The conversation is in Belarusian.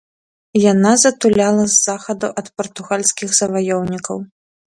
Яна затуляла з захаду ад партугальскіх заваёўнікаў.